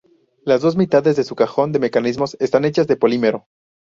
Las dos mitades de su cajón de mecanismos están hechas de polímero.